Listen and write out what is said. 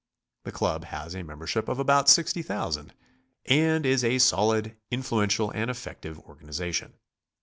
The club has a membership of about 60,000, and is a solid, influential and effective organization.